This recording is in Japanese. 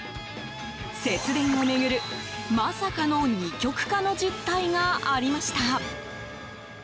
節電を巡る、まさかの二極化の実態がありました。